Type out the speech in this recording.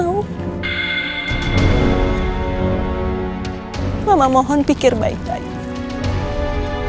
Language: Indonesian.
udah watin nfl